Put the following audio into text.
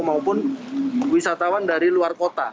maupun wisatawan dari luar kota